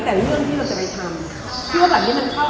เพียงแต่มันดูตามความเหมาะสม